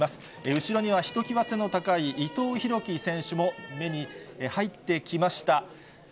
後ろにはひときわ背の高い伊藤洸輝選手も目に入ってきました。